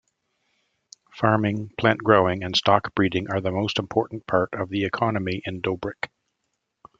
Farming, plant-growing and stock-breeding are the most important part of the economy in Dobrich.